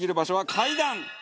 階段？